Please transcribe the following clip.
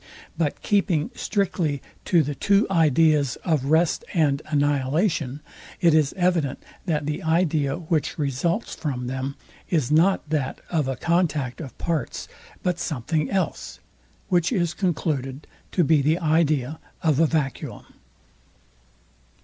But keeping strictly to the two ideas of rest and annihilation, it is evident, that the idea, which results from them, is not that of a contact of parts, but something else; which is concluded to be the idea of a vacuum.